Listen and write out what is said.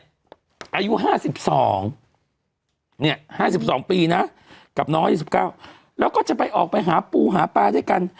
อายุ๕๒เนี่ย๕๒ปีนะกลับน้อย๒๙แล้วก็จะออกไปขาปูขาปลาได้กัน